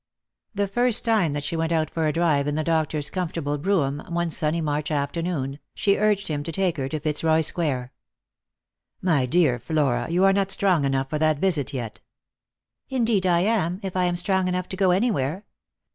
The first time that she went out for a drive in the doctor's comfortable brougham, one sunny March afternoon, she urged him to take her to Fitzroy square. " My dear Flora, you are not strong enough for that visit yet." " Indeed I am, if I am strong enough to go anywhere.